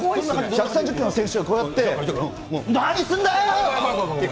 １３０キロの選手が、こうやって、怖い怖い怖い。